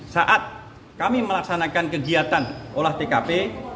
saat kami melaksanakan kegiatan olah tkp